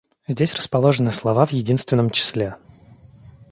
Здесь расположены слова в единственном числе: